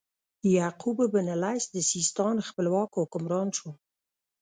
یعقوب بن اللیث د سیستان خپلواک حکمران شو.